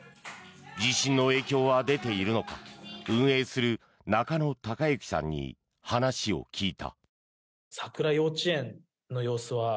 地震の影響は出ているのか運営する中野貴行さんに話を聞いた。